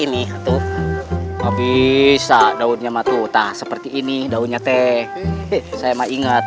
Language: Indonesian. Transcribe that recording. ini tuh nggak bisa daunnya matutah seperti ini daunnya teh saya ingat